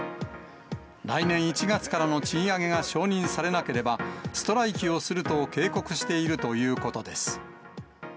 来年１月からの賃上げが承認されなければ、ストライキをすると警告しているということです。